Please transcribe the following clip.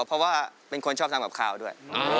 เพราะว่าเป็นคนชอบทางภาพเขาด้วย